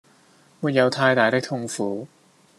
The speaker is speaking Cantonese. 沒有太大的痛苦